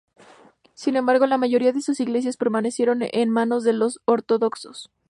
Sin embargo, la mayoría de sus iglesias permanecieron en manos de los ortodoxos.